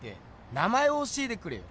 名前を教えてくれよ。